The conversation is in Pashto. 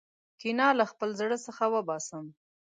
کین له خپل زړه څخه وباسم.